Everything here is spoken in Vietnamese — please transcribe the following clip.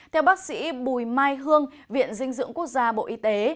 theo bác sĩ bùi mai hương viện dinh dưỡng quốc gia bộ y tế